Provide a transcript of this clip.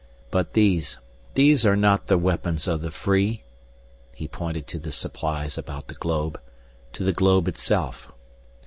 But these, these are not the weapons of the free." He pointed to the supplies about the globe, to the globe itself.